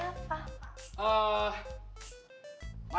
nama bapak siapa